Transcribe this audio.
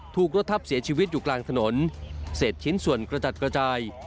ถูกรถทับเสียชีวิตอยู่กลางถนนเศษชิ้นส่วนกระจัดกระจาย